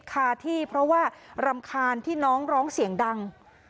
คาที่เพราะว่ารำคาญที่น้องร้องเสียงดัง